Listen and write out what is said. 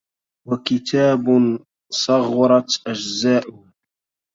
وكتاب صغرت أجزاؤه